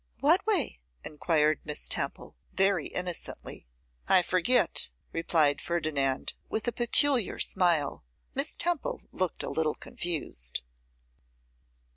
'What way?' enquired Miss Temple, very innocently. 'I forget,' replied Ferdinand, with a peculiar smile. Miss Temple looked a little confused.